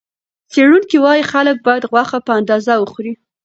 څېړونکي وايي، خلک باید غوښه په اندازه وخوري.